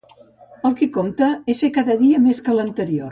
El que compta és fer cada dia més que l'anterior.